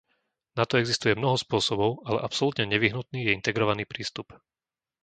Na to existuje mnoho spôsobov, ale absolútne nevyhnutný je integrovaný prístup.